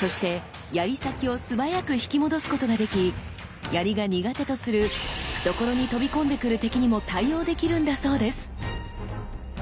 そして槍先を素早く引き戻すことができ槍が苦手とする懐に飛び込んでくる敵にも対応できるんだそうです。